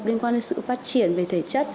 liên quan đến sự phát triển về thể chất